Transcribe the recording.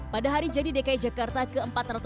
pada hari jadi dki jakarta ke empat ratus dua puluh